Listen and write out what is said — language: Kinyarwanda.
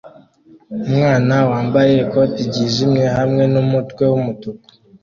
Umwana wambaye ikote ryijimye hamwe numutwe wumutuku